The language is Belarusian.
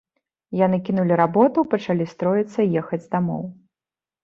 Яны кінулі работу, пачалі строіцца ехаць дамоў.